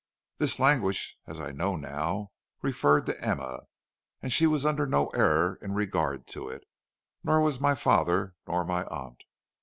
"This language as I now know referred to Emma, and she was under no error in regard to it, nor was my father nor my aunt.